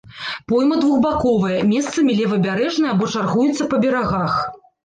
Пойма двухбаковая, месцамі левабярэжная або чаргуецца па берагах.